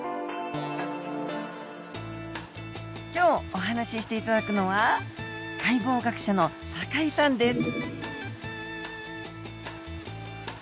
今日お話しして頂くのは解剖学者の坂井さんです。